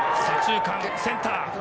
左中間センター。